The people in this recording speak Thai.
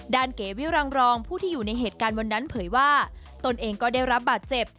เก๋วิรังรองผู้ที่อยู่ในเหตุการณ์วันนั้นเผยว่าตนเองก็ได้รับบาดเจ็บ